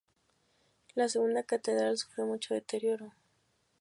La segunda catedral sufrió mucho deterioró.